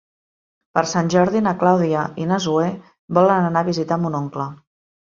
Per Sant Jordi na Clàudia i na Zoè volen anar a visitar mon oncle.